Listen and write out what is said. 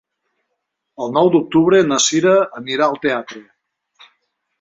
El nou d'octubre na Sira anirà al teatre.